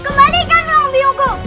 kembalikan bang biungku